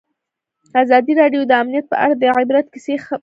ازادي راډیو د امنیت په اړه د عبرت کیسې خبر کړي.